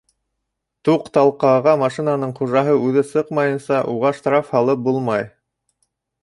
Туҡталҡаға машинаның хужаһы үҙе сыҡмайынса, уға штраф һалып булмай.